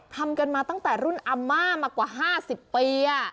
ทำกันมาตั้งแต่รุ่นอาม่ามากว่า๕๐ปี